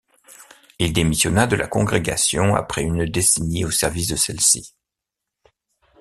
Il démissionna de la congrégation après une décennie au service de celle-ci.